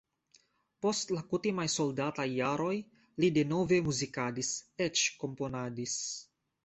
Post la kutimaj soldataj jaroj li denove muzikadis, eĉ komponadis.